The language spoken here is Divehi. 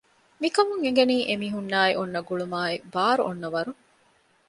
މިކަމުން އެނގެނީ އެމީހުންނާއި އޮންނަ ގުޅުމާއި ބާރު އޮންނަ ވަރު